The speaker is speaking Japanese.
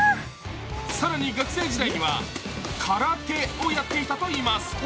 更に、学生時代には空手をやっていたといいます。